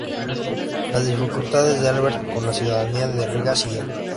Las dificultades de Albert con la ciudadanía de Riga siguieron.